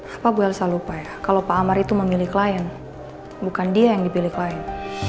apa bu elsa lupa ya kalau pak amar itu memilih klien bukan dia yang dipilih lain